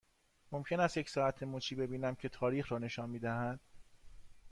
ممکن است یک ساعت مچی ببینم که تاریخ را نشان می دهد؟